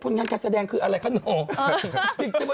ภูมิการแกดแสดงคืออะไรคะหนู